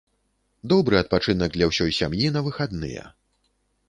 Добры адпачынак для ўсёй сям'і на выхадныя.